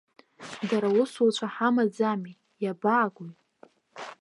Дара аусуцәа ҳамаӡамеи, иабаагои?